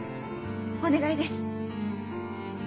お願いです。